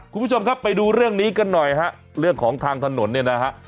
คุณผู้ชมครับไปดูเรื่องนี้กันหน่อยฮะเรื่องของทางถนนเนี่ยนะฮะ